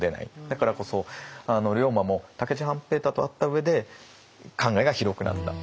だからこそ龍馬も武市半平太と会った上で考えが広くなった。